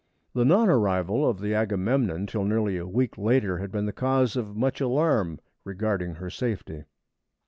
The non arrival of the Agamemnon till nearly a week later had been the cause of much alarm regarding her safety.